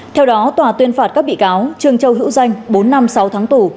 theo đó tòa tuyên phạt các bị cáo trương châu hữu danh bốn năm sáu tháng tù